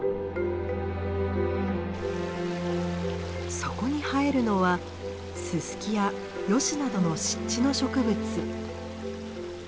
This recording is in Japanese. そこに生えるのはススキやヨシなどの湿地の植物。